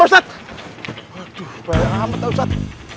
waaduh banyak amat pak ustad